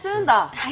はい。